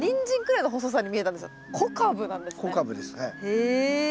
へえ。